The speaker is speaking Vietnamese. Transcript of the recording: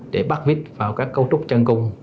để bắt vít vào các cấu trúc chân cùng